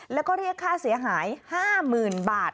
แล้วก็เรียกค่าเสียหาย๕๐๐๐บาท